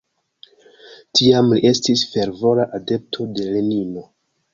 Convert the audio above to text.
Tiam li estis fervora adepto de Lenino.